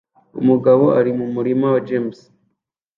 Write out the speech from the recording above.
Umugabo ari mumurima wa james